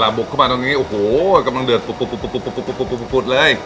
แล้วบุกข้างนี้กำลังเดือดปุดปุ๊ดเลย